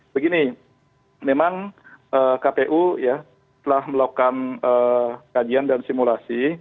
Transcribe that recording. begini memang kpu ya telah melakukan kajian dan simulasi